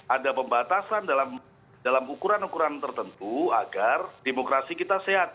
ada pembatasan dalam ukuran ukuran tertentu agar demokrasi kita sehat